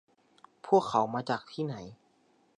พวกเขามาจากที่ไหน